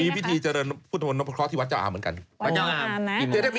เป็นวัดเก่าแก่